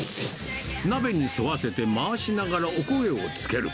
鍋に沿わせて回しながらお焦げをつける。